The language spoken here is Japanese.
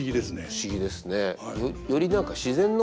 不思議ですね。